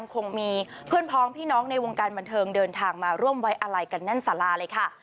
คงมีเพื่อนพ้องพี่น้องในวงการบันเทิงเดินทางมาร่วมไว้อาลัยกันแน่นสาราเลยค่ะ